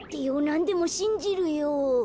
なんでもしんじるよ。